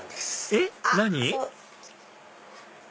えっ何？